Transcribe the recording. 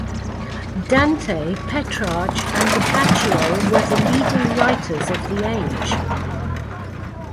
Dante, Petrarch and Boccaccio were the leading writers of the age.